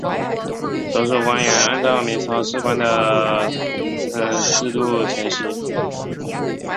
所属官员按照明朝土官的制度承袭。